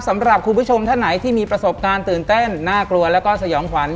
สำหรับคุณผู้ชมท่านไหนที่มีประสบการณ์ตื่นเต้นน่ากลัวแล้วก็สยองขวัญ